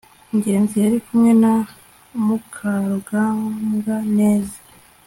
ngenzi yari kumwe na mukarugambwa neza